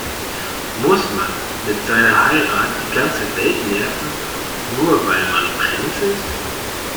Muss man mit seiner Heirat die ganze Welt nerven, nur weil man Prinz ist?